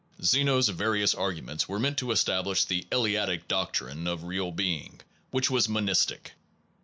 Zeno s various arguments were meant to establish the Eleatic doctrine of real being, which was monistic.